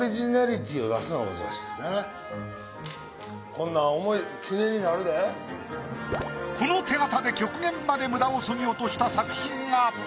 こんなんこの手形で極限まで無駄をそぎ落とした作品が。